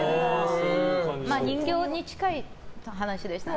人形に近い話でしたね。